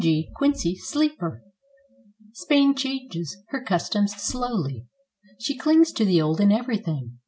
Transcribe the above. G. QUINCY SLEEPER Spain changes her customs slowly. She clings to the old in everything.